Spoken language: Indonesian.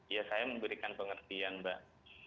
ya saya memberikan pengertian mbak